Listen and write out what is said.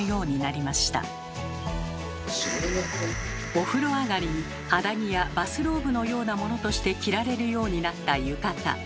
お風呂上がりに肌着やバスローブのようなものとして着られるようになった浴衣。